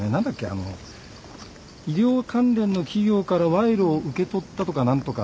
あの医療関連の企業から賄賂を受け取ったとか何とか。